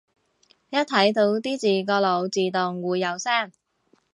一睇到啲字個腦自動會有聲